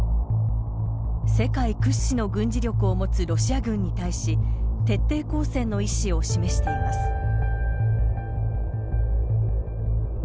世界屈指の軍事力を持つロシア軍に対し徹底抗戦の意志を示しています。